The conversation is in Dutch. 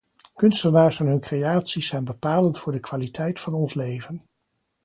Kunstenaars en hun creaties zijn bepalend voor de kwaliteit van ons leven.